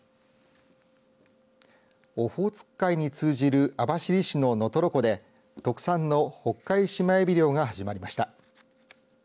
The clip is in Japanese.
オホーツク海に通じる網走市の能取湖で特産のホッカイシマエビ漁が始まりました。